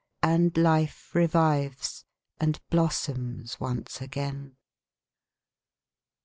And life revives, and blossoms once again.